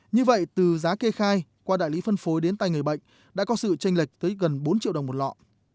như vậy từ giá kê khai qua đại lý phân phối đến tay người bệnh đã có sự tranh lệch tới gần bốn triệu đồng một lọ